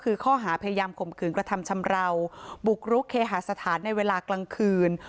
คือข้อหาพยายามข่มขืนกระทำชำราวบุกรุกเคหาสถานในเวลากลางคืน